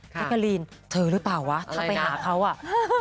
แจ๊กกะลีนเธอหรือเปล่าวะถ้าไปหาเขาอ่ะ